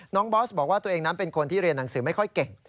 บอสบอกว่าตัวเองนั้นเป็นคนที่เรียนหนังสือไม่ค่อยเก่ง